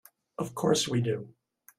Of course we do.